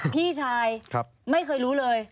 พี่ชายไม่เคยรู้เลย